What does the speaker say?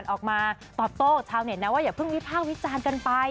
ออกมาตอบโต้ชาวเน็ตนะว่าอย่าเพิ่งวิพากษ์วิจารณ์กันไป